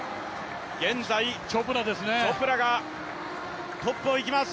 現在、チョプラがトップをいきます。